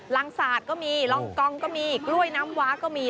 งสาดก็มีรองกองก็มีกล้วยน้ำว้าก็มี